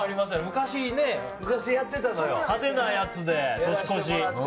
昔ね、昔やってたのよ、派手なやつで年越し。